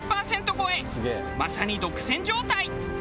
まさに独占状態。